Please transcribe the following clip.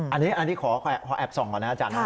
อันนี้ขอแอบส่องก่อนนะอาจารย์